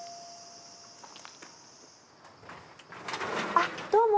あっどうも。